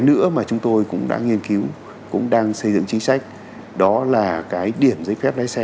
nữa mà chúng tôi cũng đã nghiên cứu cũng đang xây dựng chính sách đó là cái điểm giấy phép lái xe